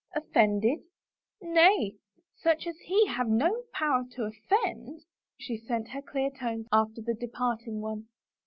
"Offended? Nay, such as he have no power to offend!" She sent her clear tones after the departing one.